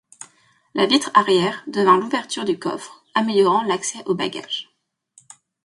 La vitre arrière devint l'ouverture du coffre, améliorant l'accès aux bagages.